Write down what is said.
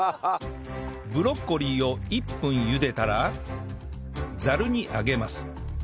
ブロッコリーを１分ゆでたらざるに上げます